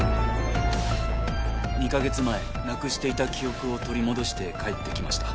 ２か月前なくしていた記憶を取り戻して帰って来ました。